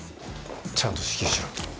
ちゃんと支給しろ。